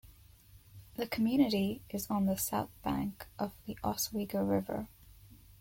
The community is on the south bank of the Oswego River.